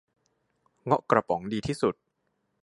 เงาะกระป๋องดีสุด